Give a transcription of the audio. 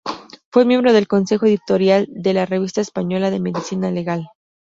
Fue miembro del Consejo Editorial de la Revista Española de Medicina Legal.